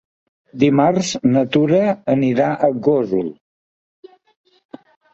Dimarts na Tura irà a Gósol.